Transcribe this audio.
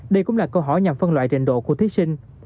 đây cũng là câu hỏi nhằm phân loại trình độ của thí sinh